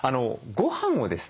ごはんをですね